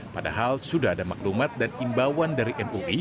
padahal sudah ada maklumat dan imbauan dari mui